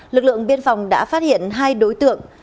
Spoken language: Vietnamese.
lực lượng biên phòng đã phát hiện hai đối tượng